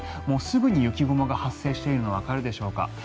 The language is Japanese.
もうすぐに雪雲が発生しているのがわかるでしょうか。